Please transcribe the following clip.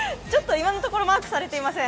今のところマークされていません。